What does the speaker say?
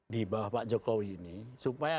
di bawah pak jokowi ini supaya